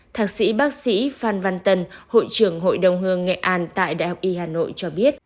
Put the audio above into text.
thạc sĩ bác sĩ phan văn tân hội trưởng hội đồng hương nghệ an tại đại học y hà nội cho biết